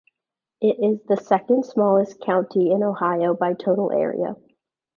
It is the second-smallest county in Ohio by total area.